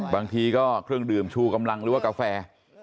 บางทีก็เครื่องดื่มชูกำลังหรือว่ากาแฟ